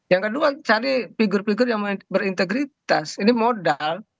yang kedua cari figur figur yang berintegritas ini modal